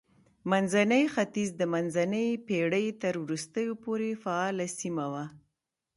منځنی ختیځ د منځنۍ پېړۍ تر وروستیو پورې فعاله سیمه وه.